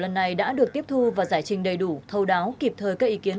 này đã được tiếp thu và giải trình đầy đủ thâu đáo kịp thời các ý kiến